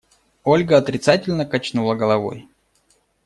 Ольга отрицательно качнула головой.